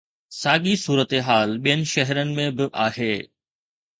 ساڳي صورتحال ٻين شهرن ۾ به آهي.